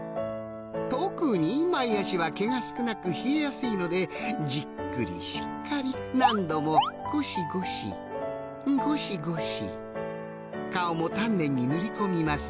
特に前足は毛が少なく冷えやすいのでじっくりしっかり何度もゴシゴシ顔も丹念に塗り込みます